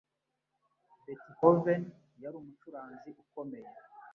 Beethoven yari umucuranzi ukomeye.